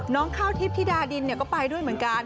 น้องข้าวทิพย์ธิดาดินก็ไปด้วยเหมือนกัน